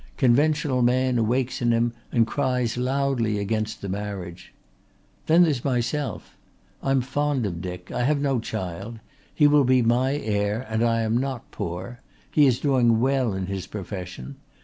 "Conventional man awakes in him and cries loudly against the marriage. Then there's myself. I am fond of Dick. I have no child. He will be my heir and I am not poor. He is doing well in his profession.